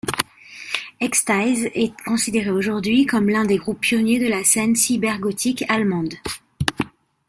Extize est considéré aujourd'hui comme l'un des groupes pionniers de la scène cyber-gothique allemande.